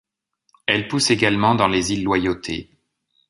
Elle pousse également dans les îles Loyauté.